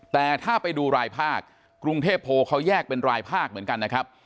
แต่ถ้าไปดูรายภาคกรุงเทพโพเขาแยกเป็นรายภาคเหมือนกันนะครับ